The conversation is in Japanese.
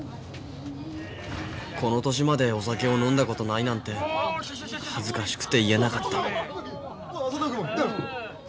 この年までお酒を飲んだことないなんて恥ずかしくて言えなかったおっ麻田くん。